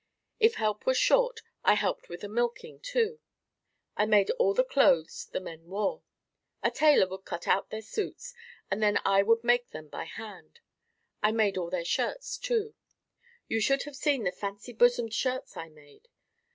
If help was short, I helped with the milking, too. I made all the clothes the men wore. A tailor would cut out their suits and then I would make them by hand. I made all their shirts too. You should have seen the fancy bosomed shirts I made.